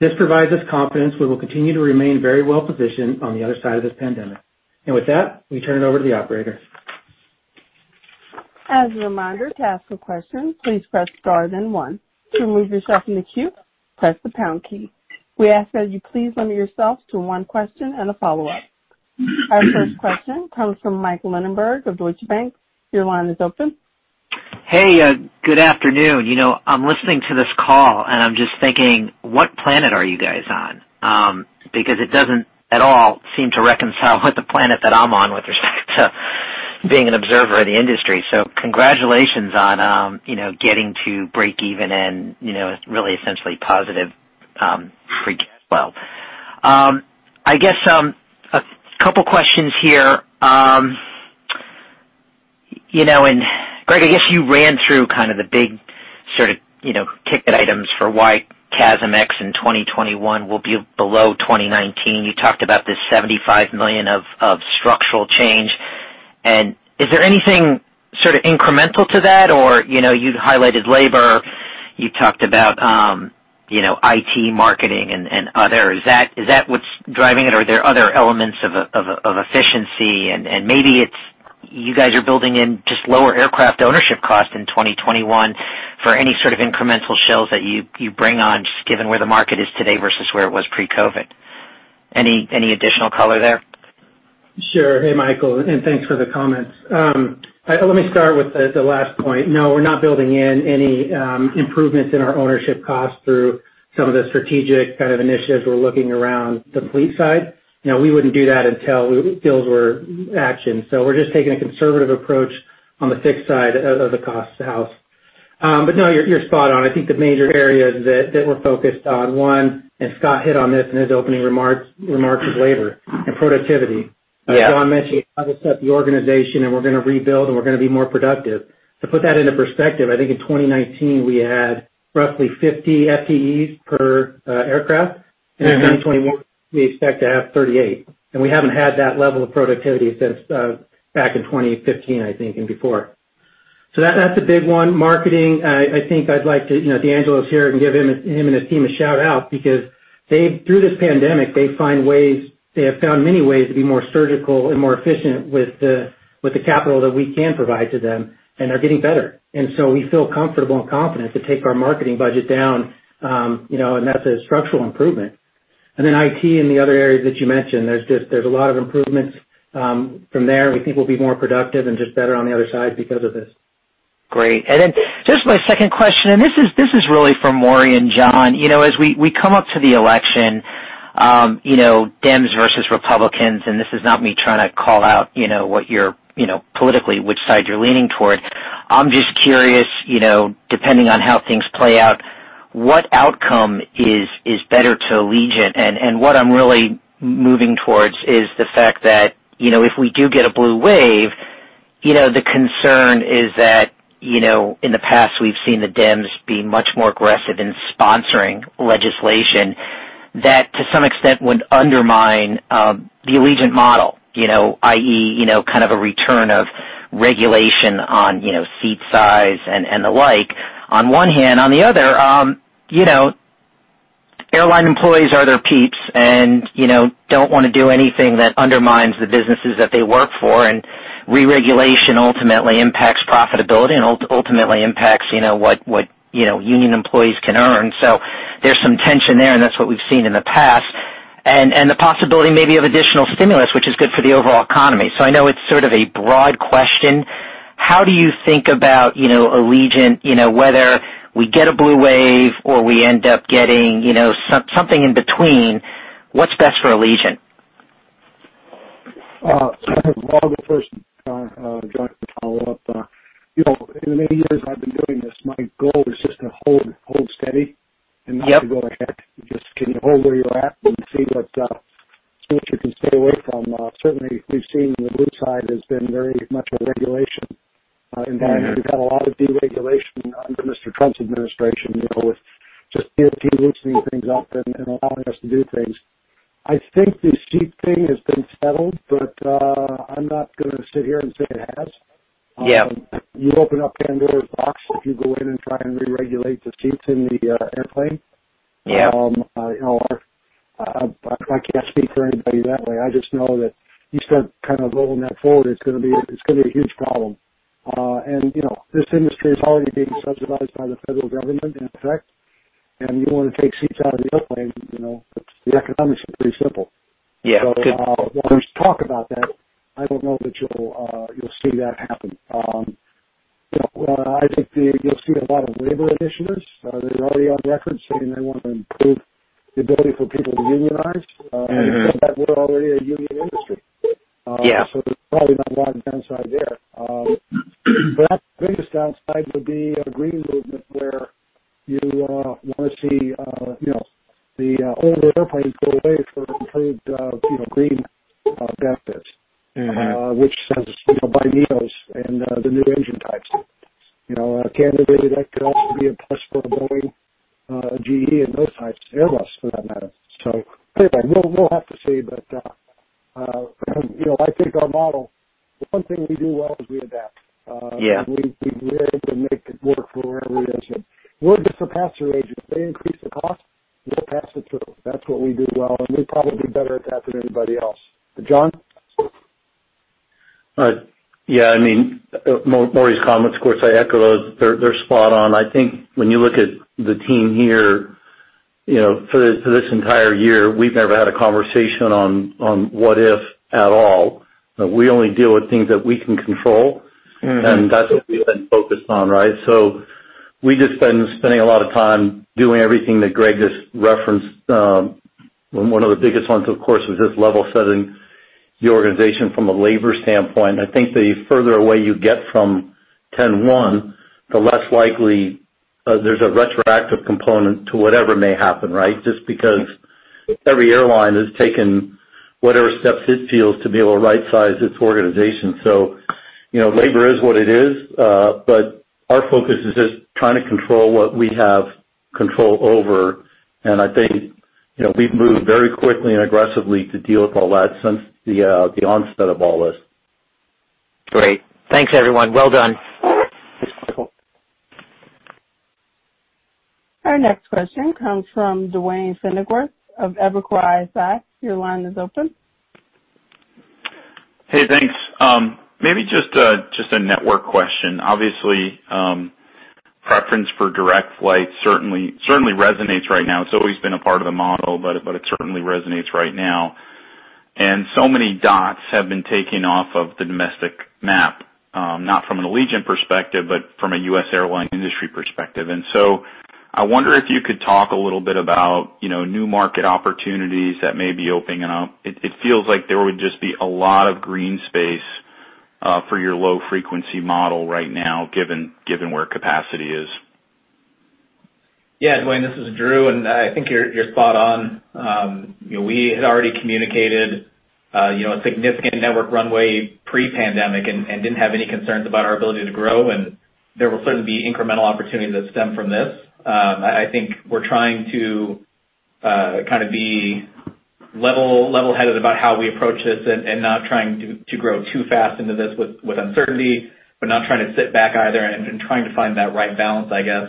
This provides us confidence we will continue to remain very well-positioned on the other side of this pandemic. With that, we turn it over to the operator. As a reminder, to ask a question, please press star then one. To remove yourself from the queue, press the pound key. We ask that you please limit yourself to one question and a follow-up. Our first question comes from Mike Linenberg of Deutsche Bank. Your line is open. Hey, good afternoon. I'm listening to this call, and I'm just thinking, what planet are you guys on? It doesn't at all seem to reconcile with the planet that I'm on with respect to being an observer in the industry. Congratulations on getting to break even and really essentially positive free cash flow. I guess, a couple questions here. Greg, I guess you ran through kind of the big sort of ticket items for why CASM ex in 2021 will be below 2019. You talked about this $75 million of structural change. Is there anything sort of incremental to that or you highlighted labor, you talked about IT, marketing, and other. Is that what's driving it, or are there other elements of efficiency and maybe it's you guys are building in just lower aircraft ownership cost in 2021 for any sort of incremental shells that you bring on, just given where the market is today versus where it was pre-COVID? Any additional color there? Sure. Hey, Michael, thanks for the comments. Let me start with the last point. We're not building in any improvements in our ownership costs through some of the strategic kind of initiatives we're looking around the fleet side. We wouldn't do that until deals were actioned. We're just taking a conservative approach on the fixed side of the cost house. You're spot on. I think the major areas that we're focused on, one, Scott hit on this in his opening remarks, is labor and productivity. Yeah. As John mentioned, how to set the organization, and we're going to rebuild, and we're going to be more productive. To put that into perspective, I think in 2019, we had roughly 50 FTEs per aircraft. In 2021, we expect to have 38. We haven't had that level of productivity since back in 2015, I think, and before. That's a big one. Marketing, I think I'd like to DeAngelo's here, I can give him and his team a shout-out because through this pandemic, they have found many ways to be more surgical and more efficient with the capital that we can provide to them, and they're getting better. We feel comfortable and confident to take our marketing budget down, and that's a structural improvement. IT and the other areas that you mentioned, there's a lot of improvements from there. We think we'll be more productive and just better on the other side because of this. Great. Then just my second question, this is really for Maury and John. As we come up to the election, Dems versus Republicans, this is not me trying to call out politically which side you're leaning toward. I'm just curious, depending on how things play out, what outcome is better to Allegiant? What I'm really moving towards is the fact that if we do get a blue wave, the concern is that in the past we've seen the Dems be much more aggressive in sponsoring legislation that to some extent would undermine the Allegiant model, i.e., kind of a return of regulation on seat size and the like on one hand. On the other, airline employees are their peeps and don't want to do anything that undermines the businesses that they work for, and re-regulation ultimately impacts profitability and ultimately impacts what union employees can earn. There's some tension there, and that's what we've seen in the past. The possibility maybe of additional stimulus, which is good for the overall economy. I know it's sort of a broad question. How do you think about Allegiant, whether we get a blue wave or we end up getting something in between, what's best for Allegiant? I have all the first, John, to follow up. In the many years I've been doing this, my goal is just to hold steady and not to go to heck. Just can you hold where you're at and see what you can stay away from. Certainly, we've seen the blue side has been very much a regulation environment. We've had a lot of deregulation under Mr. Trump's administration, with just the FAA loosening things up and allowing us to do things. I think the seat thing has been settled. I'm not going to sit here and say it has. Yeah. You open up Pandora's box if you go in and try and re-regulate the seats in the airplane. Yeah. I can't speak for anybody that way. I just know that you start kind of rolling that forward, it's going to be a huge problem. This industry is already being subsidized by the federal government, in effect, and you want to take seats out of the airplane, the economics are pretty simple. Yeah. When we talk about that, I don't know that you'll see that happen. I think you'll see a lot of labor initiatives. They're already on record saying they want to improve the ability for people to unionize. Keep in fact that we're already a union industry. Yeah. There's probably not a lot of downside there. Our biggest downside would be a green movement where you want to see the older airplanes go away for improved green benefits. which says, buy NEOs and the new engine types. Candidly, that could also be a plus for Boeing, GE, and those types, Airbus for that matter. Anyway, we'll have to see, but I think our model, the one thing we do well is we adapt. Yeah. We're able to make it work for wherever it is. We're just a pass-through agent. They increase the cost, we'll pass it through. That's what we do well, and we're probably better at that than anybody else. John? Yeah. Maury's comments, of course, I echo those. They're spot on. I think when you look at the team here, for this entire year, we've never had a conversation on what if at all. We only deal with things that we can control. That's what we've been focused on, right? We've just been spending a lot of time doing everything that Greg just referenced. One of the biggest ones, of course, is just level setting the organization from a labor standpoint. I think the further away you get from 10/1, the less likely there's a retroactive component to whatever may happen, right? Just because every airline has taken whatever steps it feels to be able to right-size its organization. Labor is what it is. Our focus is just trying to control what we have control over, and I think we've moved very quickly and aggressively to deal with all that since the onset of all this. Great. Thanks, everyone. Well done. Thanks, Michael. Our next question comes from Duane Pfennigwerth of Evercore ISI. Your line is open. Hey, thanks. Maybe just a network question. Obviously, preference for direct flights certainly resonates right now. It's always been a part of the model, but it certainly resonates right now. So many dots have been taken off of the domestic map, not from an Allegiant perspective, but from a U.S. airline industry perspective. I wonder if you could talk a little bit about new market opportunities that may be opening up. It feels like there would just be a lot of green space for your low-frequency model right now, given where capacity is. Yeah, Duane, this is Drew, and I think you're spot on. We had already communicated a significant network runway pre-pandemic and didn't have any concerns about our ability to grow, and there will certainly be incremental opportunities that stem from this. I think we're trying to kind of be level-headed about how we approach this and not trying to grow too fast into this with uncertainty, but not trying to sit back either and trying to find that right balance, I guess.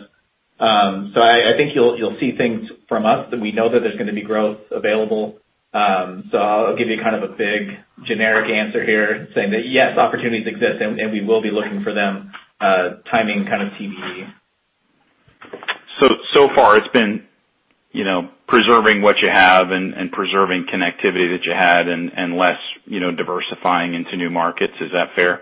I think you'll see things from us that we know that there's going to be growth available. I'll give you kind of a big generic answer here saying that, yes, opportunities exist, and we will be looking for them. Timing, kind of TBD. Far it's been preserving what you have and preserving connectivity that you had and less diversifying into new markets. Is that fair?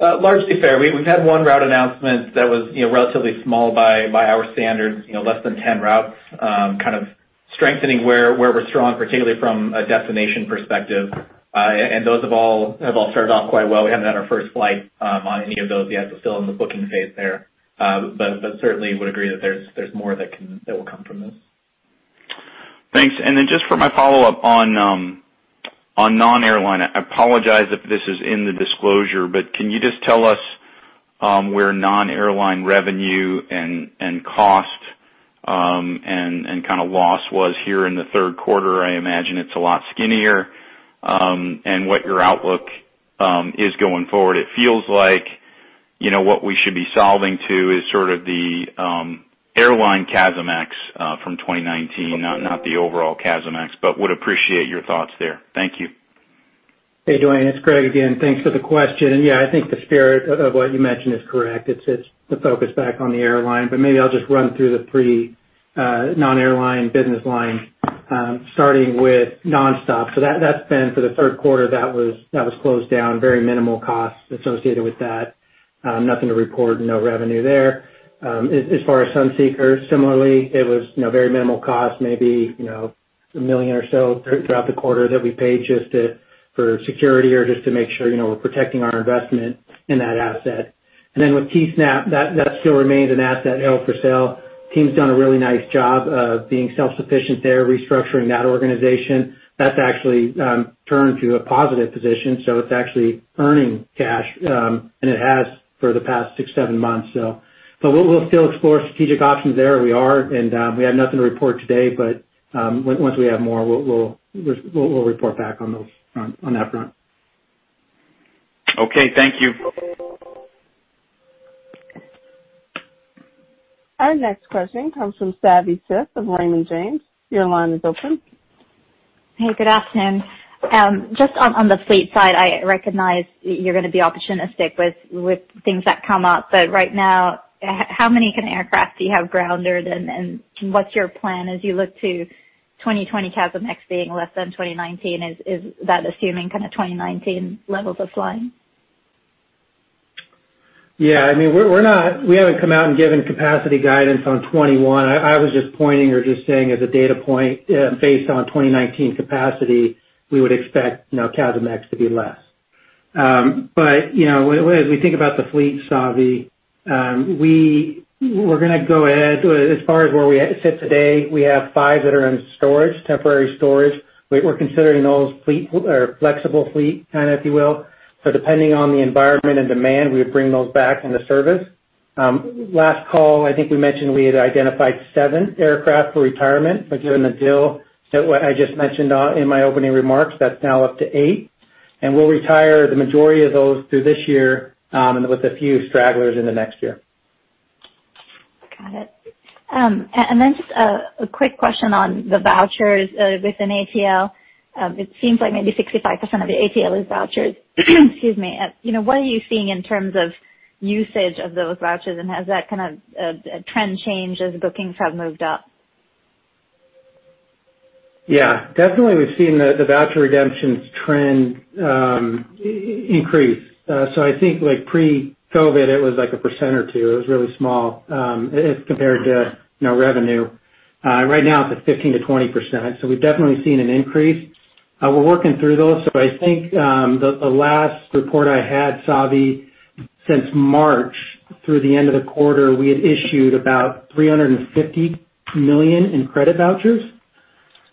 Largely fair. We've had one route announcement that was relatively small by our standards, less than 10 routes, kind of strengthening where we're strong, particularly from a destination perspective. Those have all started off quite well. We haven't had our first flight on any of those yet, so still in the booking phase there. Certainly would agree that there's more that will come from this. Thanks. Just for my follow-up on non-airline, I apologize if this is in the disclosure, can you just tell us where non-airline revenue and cost and kind of loss was here in the third quarter? I imagine it's a lot skinnier, what your outlook is going forward. It feels like what we should be solving too is sort of the airline CASM ex from 2019, not the overall CASM ex, would appreciate your thoughts there. Thank you. Hey, Duane, it's Greg again. Thanks for the question. Yeah, I think the spirit of what you mentioned is correct. It's the focus back on the airline, but maybe I'll just run through the three non-airline business lines, starting with Nonstop. That's been for the third quarter, that was closed down, very minimal costs associated with that. Nothing to report, no revenue there. As far as Sunseeker, similarly, it was very minimal cost, maybe $1 million or so throughout the quarter that we paid just for security or just to make sure we're protecting our investment in that asset. Then with Teesnap, that still remains an asset held for sale. Team's done a really nice job of being self-sufficient there, restructuring that organization. That's actually turned to a positive position, so it's actually earning cash, and it has for the past six, seven months. We'll still explore strategic options there. We have nothing to report today, but once we have more, we'll report back on that front. Okay. Thank you. Our next question comes from Savanthi Syth of Raymond James. Your line is open. Hey, good afternoon. Just on the fleet side, I recognize that you're going to be opportunistic with things that come up. Right now, how many aircraft do you have grounded, and what's your plan as you look to 2020 CASM ex being less than 2019? Is that assuming kind of 2019 levels of flying? Yeah, we haven't come out and given capacity guidance on 2021. I was just pointing or just saying as a data point, based on 2019 capacity, we would expect CASM ex to be less. As we think about the fleet, Savi, as far as where we sit today, we have five that are in storage, temporary storage. We're considering those flexible fleet, kind of, if you will. Depending on the environment and demand, we would bring those back into service. Last call, I think we mentioned we had identified seven aircraft for retirement, given the deal that I just mentioned in my opening remarks, that's now up to eight. We'll retire the majority of those through this year, and with a few stragglers in the next year. Got it. Just a quick question on the vouchers within ATL. It seems like maybe 65% of your ATL is vouchers. Excuse me. What are you seeing in terms of usage of those vouchers, and has that kind of trend changed as bookings have moved up? Yeah, definitely we've seen the voucher redemptions trend increase. I think pre-COVID, it was like 1% or 2%. It was really small if compared to revenue. Right now, it's at 15%-20%. We've definitely seen an increase. We're working through those, but I think the last report I had, Savi, since March through the end of the quarter, we had issued about $350 million in credit vouchers.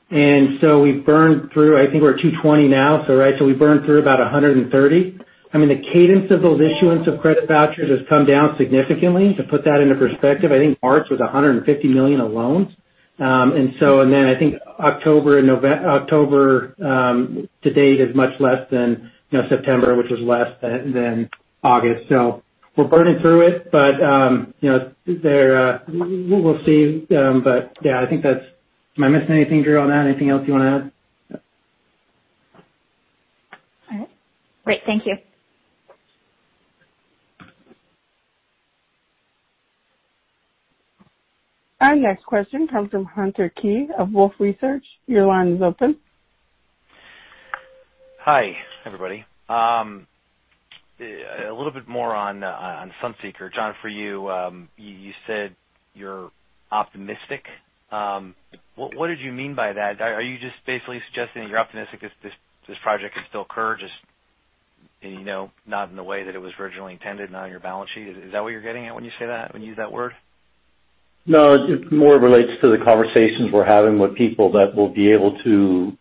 We've burned through, I think we're at $220 million now. We burned through about $130 million. I mean, the cadence of those issuance of credit vouchers has come down significantly. To put that into perspective, I think March was $150 million alone. I think October to date is much less than September, which was less than August. We're burning through it, but we'll see. Yeah, am I missing anything, Drew, on that? Anything else you want to add? All right. Great. Thank you. Our next question comes from Hunter Keay of Wolfe Research. Your line is open. Hi, everybody. A little bit more on Sunseeker. John, for you said you're optimistic. What did you mean by that? Are you just basically suggesting that you're optimistic that this project can still occur, just not in the way that it was originally intended and on your balance sheet? Is that what you're getting at when you say that, when you use that word? No, it more relates to the conversations we're having with people that will be able to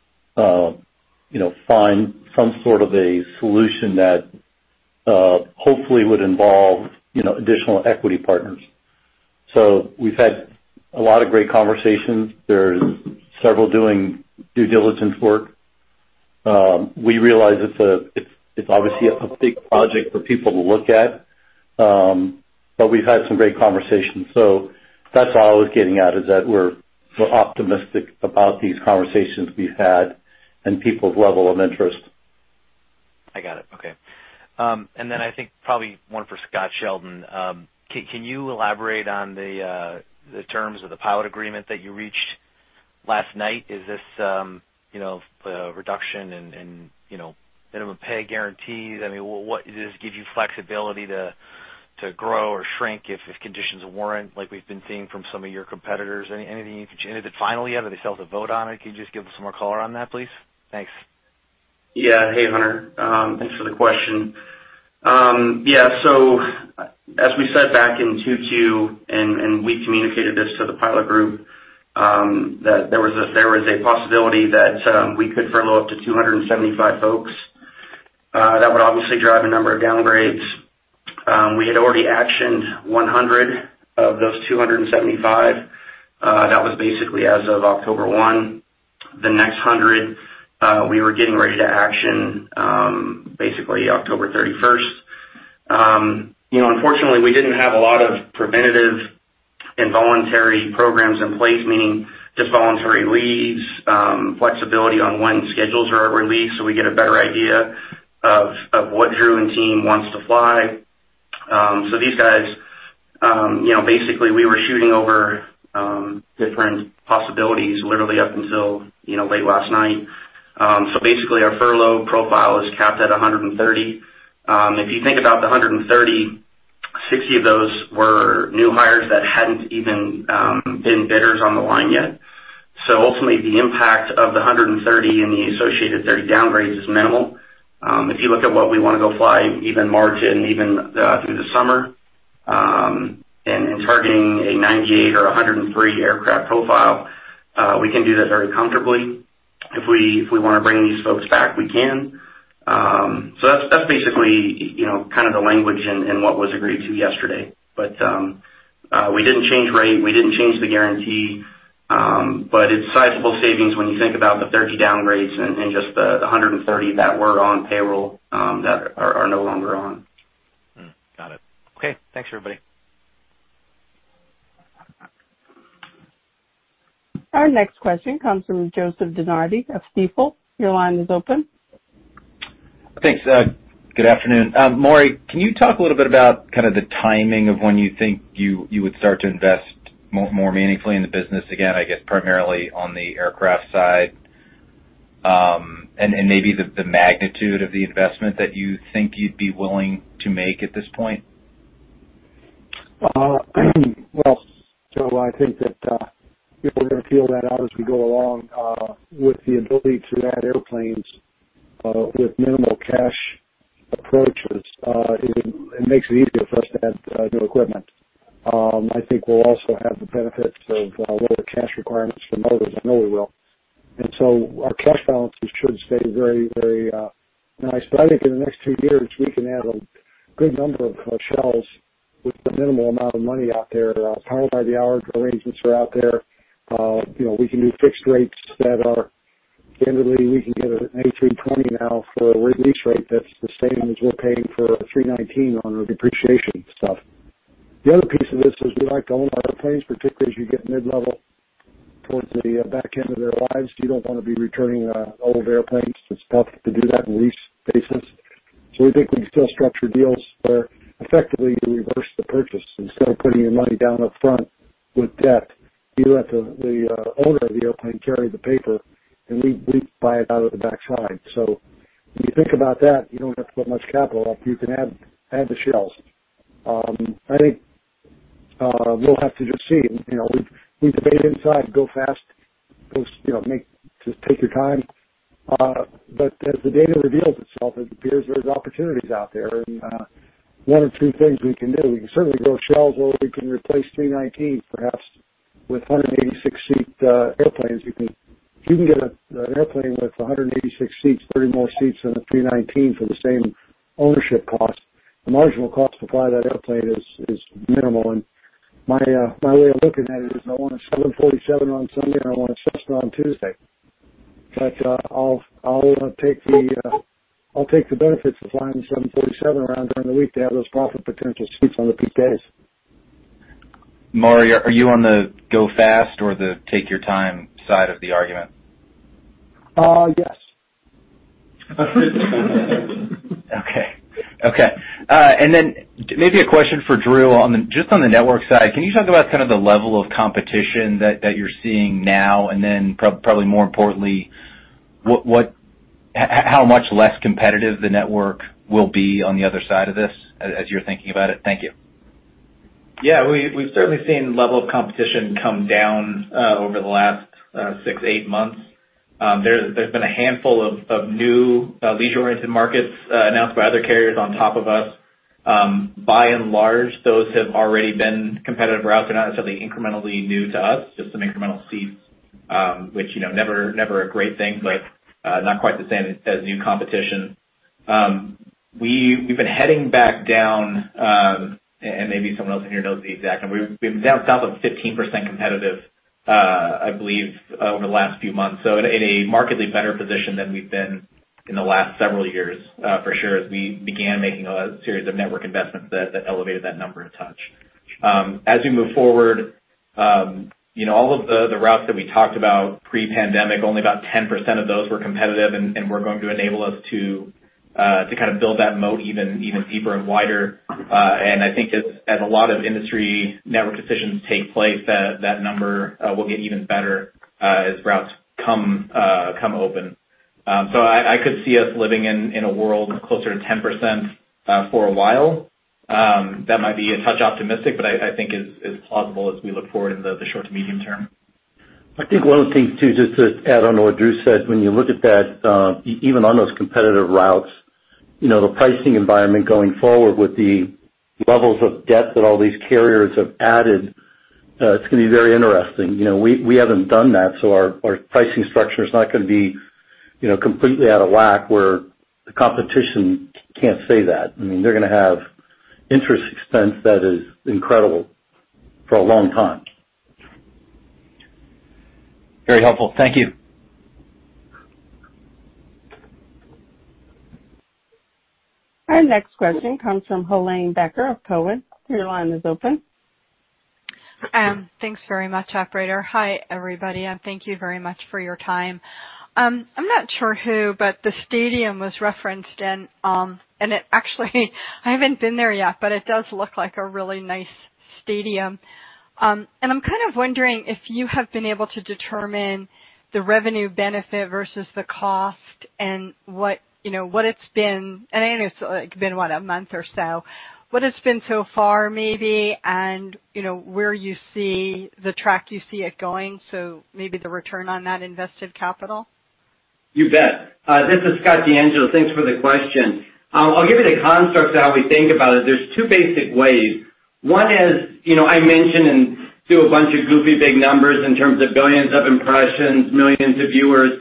find some sort of a solution that hopefully would involve additional equity partners. We've had a lot of great conversations. There's several doing due diligence work. We realize it's obviously a big project for people to look at, but we've had some great conversations. That's all I was getting at is that we're optimistic about these conversations we've had and people's level of interest. I got it. Okay. I think probably one for Scott Sheldon. Can you elaborate on the terms of the pilot agreement that you reached last night? Is this a reduction in minimum pay guarantees? I mean, does it give you flexibility to grow or shrink if conditions warrant, like we've been seeing from some of your competitors? Is it final yet? Have they still have to vote on it? Can you just give us some more color on that, please? Thanks. Hey, Hunter. Thanks for the question. As we said back in 2020, and we communicated this to the pilot group, that there was a possibility that we could furlough up to 275 folks. That would obviously drive a number of downgrades. We had already actioned 100 of those 275. That was basically as of October 1. The next 100, we were getting ready to action basically October 31st. Unfortunately, we didn't have a lot of preventative and voluntary programs in place, meaning just voluntary leaves, flexibility on when schedules are at release, so we get a better idea of what Drew and team wants to fly. These guys, basically we were shooting over different possibilities literally up until late last night. Basically, our furlough profile is capped at 130. If you think about the 130, 60 of those were new hires that hadn't even been bidders on the line yet. Ultimately, the impact of the 130 and the associated 30 downgrades is minimal. If you look at what we want to go fly even March and even through the summer, and targeting a 98 or 103 aircraft profile, we can do that very comfortably. If we want to bring these folks back, we can. That's basically kind of the language in what was agreed to yesterday. We didn't change rate, we didn't change the guarantee. It's sizable savings when you think about the 30 downgrades and just the 130 that were on payroll that are no longer on. Got it. Okay, thanks everybody. Our next question comes from Joseph DeNardi of Stifel. Your line is open. Thanks. Good afternoon. Maury, can you talk a little bit about kind of the timing of when you think you would start to invest more meaningfully in the business again, I guess primarily on the aircraft side? Maybe the magnitude of the investment that you think you'd be willing to make at this point? Well, Joe, I think that if we're going to feel that out as we go along with the ability to add airplanes with minimal cash approaches, it makes it easier for us to add new equipment. I think we'll also have the benefits of lower cash requirements for motors. I know we will. Our cash balances should stay very nice. I think in the next two years, we can add a good number of shells with a minimal amount of money out there. Power by the hour arrangements are out there. We can do fixed rates that are generally, we can get an A320 now for a lease rate that's the same as we're paying for an A319 on our depreciation stuff. The other piece of this is we like to own our airplanes, particularly as you get mid-level towards the back end of their lives. You don't want to be returning old airplanes. It's tough to do that in lease spaces. We think we can still structure deals where effectively you reverse the purchase. Instead of putting your money down up front with debt, you let the owner of the airplane carry the paper, and we buy it out of the backside. When you think about that, you don't have to put much capital up. You can add the shells. I think we'll have to just see. We debate inside, go fast, just take your time. As the data reveals itself, it appears there's opportunities out there and one of two things we can do. We can certainly grow shells or we can replace 319 perhaps with 186 seat airplanes. If you can get an airplane with 186 seats, 30 more seats than an A319 for the same ownership cost, the marginal cost to fly that airplane is minimal. My way of looking at it is I want a 747 on Sunday, and I want a Cessna on Tuesday. I'll take the benefits of flying the 747 around during the week to have those profit potential seats on the peak days. Maury, are you on the go fast or the take your time side of the argument? Yes. Okay. Maybe a question for Drew on the, just on the network side. Can you talk about kind of the level of competition that you're seeing now, and then probably more importantly, how much less competitive the network will be on the other side of this as you're thinking about it? Thank you. Yeah. We've certainly seen the level of competition come down over the last six, eight months. There's been a handful of new leisure-oriented markets announced by other carriers on top of us. By and large, those have already been competitive routes. They're not necessarily incrementally new to us, just some incremental seats, which never a great thing, but not quite the same as new competition. We've been heading back down, and maybe someone else in here knows the exact number. We've been down south of 15% competitive, I believe, over the last few months. In a markedly better position than we've been in the last several years, for sure, as we began making a series of network investments that elevated that number a touch. As we move forward, all of the routes that we talked about pre-pandemic, only about 10% of those were competitive and were going to enable us to kind of build that moat even deeper and wider. I think as a lot of industry network decisions take place, that number will get even better as routes come open. I could see us living in a world closer to 10% for a while. That might be a touch optimistic, but I think it's plausible as we look forward in the short to medium term. I think one of the things too, just to add on to what Drew said, when you look at that, even on those competitive routes, the pricing environment going forward with the levels of debt that all these carriers have added, it's going to be very interesting. We haven't done that, so our pricing structure is not going to be completely out of whack where the competition can't say that. They're going to have interest expense that is incredible for a long time. Very helpful. Thank you. Our next question comes from Helane Becker of Cowen. Your line is open. Thanks very much, operator. Hi, everybody, thank you very much for your time. I'm not sure who, but the stadium was referenced, and actually I haven't been there yet, but it does look like a really nice stadium. I'm kind of wondering if you have been able to determine the revenue benefit versus the cost and what it's been, and I know it's only been what? A month or so. What it's been so far maybe, and where you see the track you see it going, so maybe the return on that invested capital? You bet. This is Scott DeAngelo. Thanks for the question. I'll give you the construct of how we think about it. There's two basic ways. One is, I mentioned and threw a bunch of goofy, big numbers in terms of billions of impressions, millions of viewers.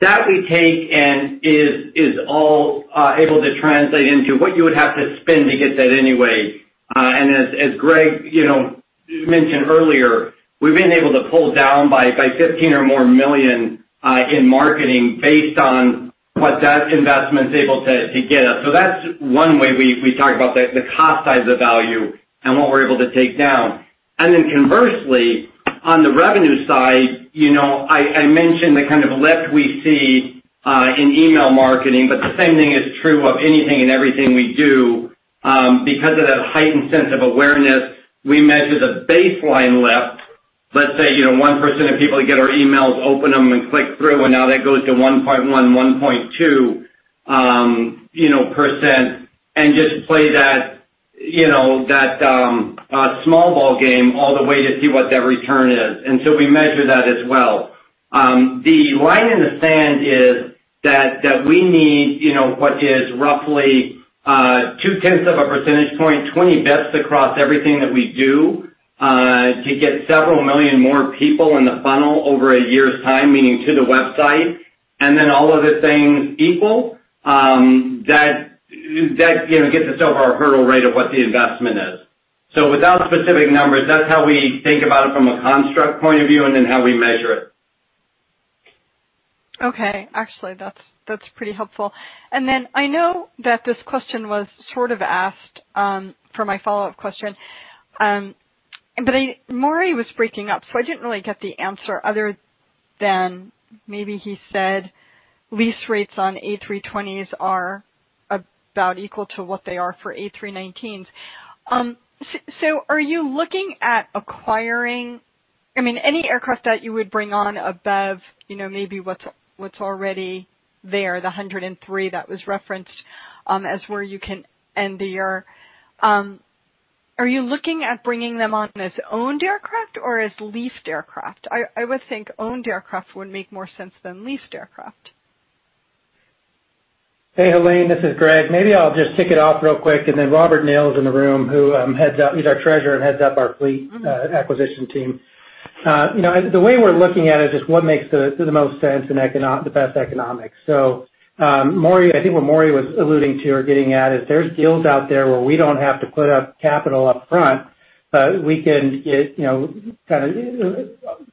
That we take and is all able to translate into what you would have to spend to get that anyway. As Greg mentioned earlier, we've been able to pull down by $15 million or more in marketing based on what that investment's able to get us. That's one way we talk about the cost side of the value and what we're able to take down. Conversely, on the revenue side, I mentioned the kind of lift we see in email marketing, but the same thing is true of anything and everything we do. Because of that heightened sense of awareness, we measure the baseline lift. Let's say 1% of people that get our emails, open them and click through, and now that goes to 1.1%-1.2% and just play that small ball game all the way to see what that return is. We measure that as well. The line in the sand is that we need what is roughly two-tenths of a percentage point, 20 basis points across everything that we do, to get several million more people in the funnel over a year's time, meaning to the website. All other things equal, that gets us over our hurdle rate of what the investment is. Without specific numbers, that's how we think about it from a construct point of view and then how we measure it. Okay. Actually, that's pretty helpful. I know that this question was sort of asked for my follow-up question. Maury was breaking up, so I didn't really get the answer other than maybe he said lease rates on A320s are about equal to what they are for A319s. Are you looking at any aircraft that you would bring on above maybe what's already there, the 103 that was referenced, as where you can end the year. Are you looking at bringing them on as owned aircraft or as leased aircraft? I would think owned aircraft would make more sense than leased aircraft. Hey, Helane, this is Greg. Maybe I'll just kick it off real quick, and then Robert Neal is in the room, he's our treasurer and heads up our fleet acquisition team. The way we're looking at it is what makes the most sense and the best economics. I think what Maury was alluding to or getting at is there's deals out there where we don't have to put up capital up front, but we can get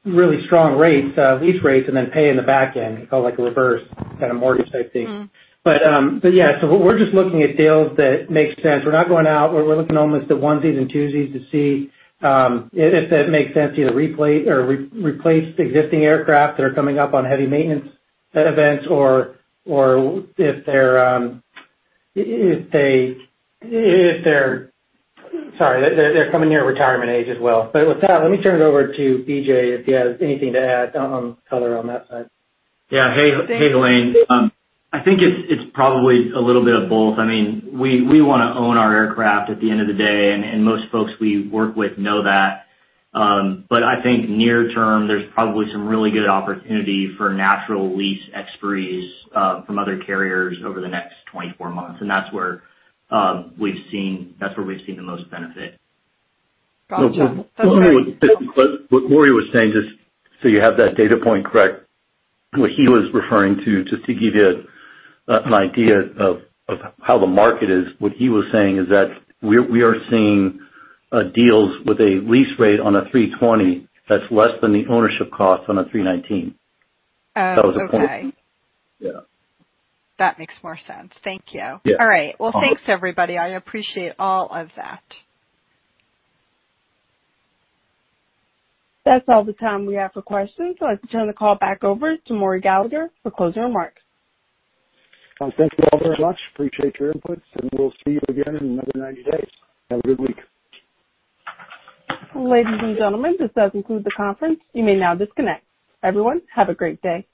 really strong lease rates and then pay in the back end, kind of like a reverse kind of mortgage type thing. Yeah. We're just looking at deals that make sense. We're not going out. We're looking almost at onesies and twosies to see if that makes sense to either replate or replace existing aircraft that are coming up on heavy maintenance events or if they're coming near retirement age as well. With that, let me turn it over to BJ, if he has anything to add on color on that side. Yeah. Hey, Helane. I think it's probably a little bit of both. We want to own our aircraft at the end of the day, and most folks we work with know that. I think near term, there's probably some really good opportunity for natural lease expiries from other carriers over the next 24 months, and that's where we've seen the most benefit. Gotcha. Okay. What Maury was saying, just so you have that data point correct, what he was referring to, just to give you an idea of how the market is, what he was saying is that we are seeing deals with a lease rate on a 320 that is less than the ownership cost on a 319. Oh, okay. Yeah. That makes more sense. Thank you. Yeah. All right. Well, thanks everybody. I appreciate all of that. That's all the time we have for questions, so let's turn the call back over to Maury Gallagher for closing remarks. Thank you all very much. Appreciate your inputs, and we'll see you again in another 90 days. Have a good week. Ladies and gentlemen, this does conclude the conference. You may now disconnect. Everyone, have a great day.